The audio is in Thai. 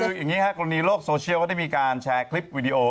คืออย่างนี้ครับกรณีโลกโซเชียลก็ได้มีการแชร์คลิปวิดีโอ